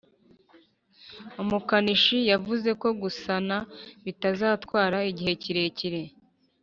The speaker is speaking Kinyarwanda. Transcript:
umukanishi yavuze ko gusana bitazatwara igihe kirekire